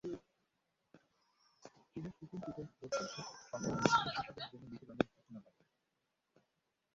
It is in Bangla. চীনের সুপ্রিম পিপলস কোর্ট বলছে, সম্প্রতি দেশটিতে শিশুদের যৌন নিপীড়নের ঘটনা বাড়ছে।